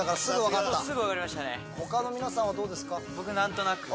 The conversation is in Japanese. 他の皆さんはどうですか？